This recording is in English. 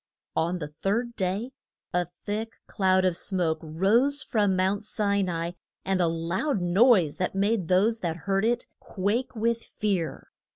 On the third day a thick cloud of smoke rose from Mount Si na i, and a loud noise that made those that heard it quake with fear.